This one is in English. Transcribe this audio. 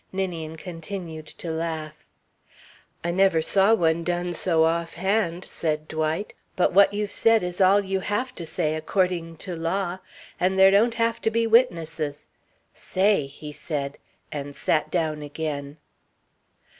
Ninian continued to laugh. "I never saw one done so offhand," said Dwight. "But what you've said is all you have to say according to law. And there don't have to be witnesses ... say!" he said, and sat down again.